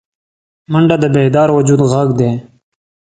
منډه د بیدار وجود غږ دی